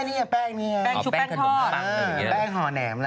ไม่แป้งนี่แป้งชุบแป้งขนมปัง